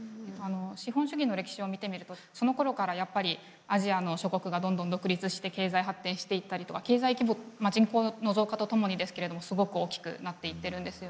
資本主義の歴史を見てみるとそのころからやっぱりアジアの諸国がどんどん独立して経済発展していったりとか経済規模まあ人口の増加とともにですけれどもすごく大きくなっていってるんですよね。